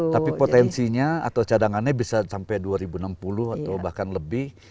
tapi potensinya atau cadangannya bisa sampai dua ribu enam puluh atau bahkan lebih